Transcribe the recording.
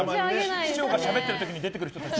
視聴者しゃべってる時に出てくる人たち？